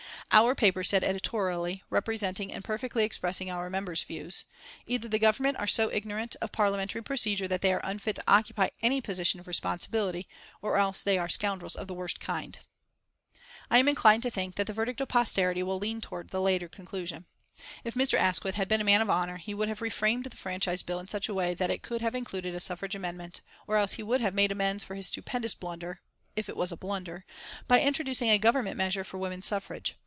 Our paper said editorially, representing and perfectly expressing our member's views: "Either the Government are so ignorant of Parliamentary procedure that they are unfit to occupy any position of responsibility, or else they are scoundrels of the worst kind." I am inclined to think that the verdict of posterity will lean towards the later conclusion. If Mr. Asquith had been a man of honour he would have reframed the Franchise Bill in such a way that it could have included a suffrage amendment, or else he would have made amends for his stupendous blunder if it was a blunder by introducing a Government measure for women's suffrage.